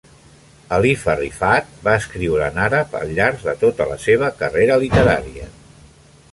Alifa Rifaat va escriure en àrab al llarg de tota la seva carrera literària.